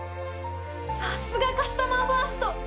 さすがカスタマーファースト！